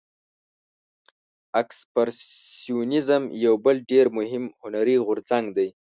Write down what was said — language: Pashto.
اکسپرسیونیزم یو بل ډیر مهم هنري غورځنګ دی.